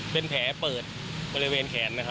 เป็นแผลเปิดบริเวณแขน